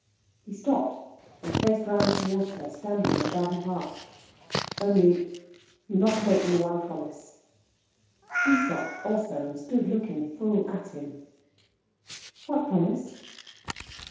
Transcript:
He stopped and faced round towards her, standing on the garden path. "Only, you must make me one promise." She stopped also, and stood looking full at him. "What promise?"